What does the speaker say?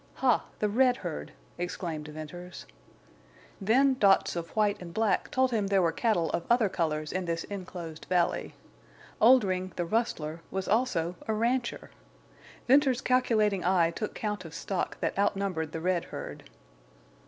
"Ha, the red herd!" exclaimed Venters. Then dots of white and black told him there were cattle of other colors in this inclosed valley. Oldring, the rustler, was also a rancher. Venters's calculating eye took count of stock that outnumbered the red herd.